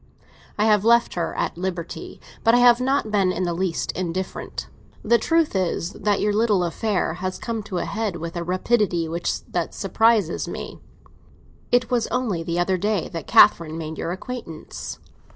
I have left her at liberty, but I have not been in the least indifferent. The truth is that your little affair has come to a head with a rapidity that surprises me. It was only the other day that Catherine made your acquaintance."